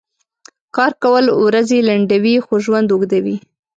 کار کؤل ؤرځې لنډؤي خو ژؤند اوږدؤي .